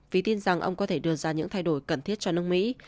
vì tin rằng ông có thể đưa ra những thay đổi cần thiết cho nước mỹ